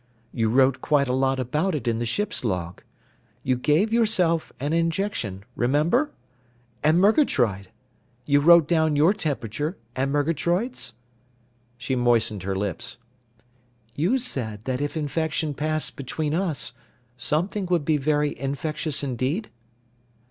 You wrote quite a lot about it in the ship's log. You gave yourself an injection. Remember? And Murgatroyd? You wrote down your temperature, and Murgatroyd's?" She moistened her lips. "You said that if infection passed between us, something would be very infectious indeed?"